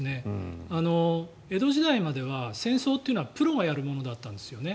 江戸時代までは戦争というのはプロがやるものだったんですよね